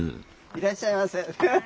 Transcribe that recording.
いらっしゃいませ。